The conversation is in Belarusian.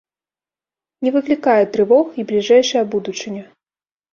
Не выклікае трывог і бліжэйшая будучыня.